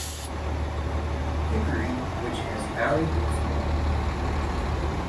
Hickory which has Valley Hills Mall.